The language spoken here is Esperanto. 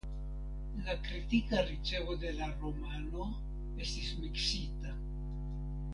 La kritika ricevo de la romano estis miksita.